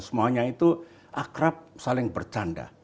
dan semuanya itu akrab saling berkaitan